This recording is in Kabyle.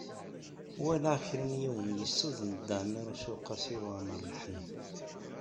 Walaɣ kra n yiwen yessuden Dda Ɛmiiruc u Qasi Waɛmer n Ḥmed.